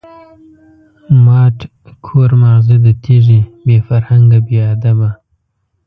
ماټ کور ماغزه د تیږی، بی فرهنگه بی ادبه